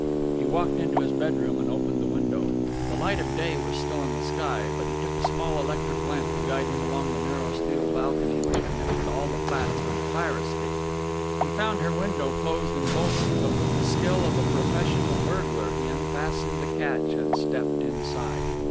He walked into his bedroom and opened the window. The light of day was still in the sky, but he took a small electric lamp to guide him along the narrow steel balcony which connected all the flats with the fire escape. He found her window closed and bolted, but with the skill of a professional burglar he unfastened the catch and stepped inside.